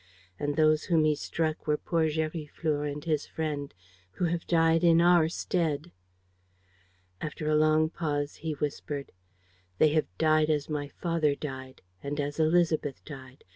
. and those whom he struck were poor Gériflour and his friend, who have died in our stead." After a long pause, he whispered: "They have died as my father died ... and as Élisabeth died